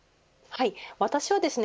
私はですね。